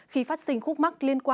khi phát sinh khúc mắc liên quân